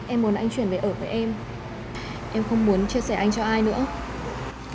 em muốn anh chuyển về ở với em